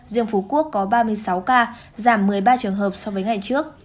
riêng phú quốc có ba mươi sáu ca giảm một mươi ba trường hợp so với ngày trước